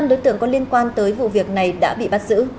năm đối tượng có liên quan tới vụ việc này đã bị bắt giữ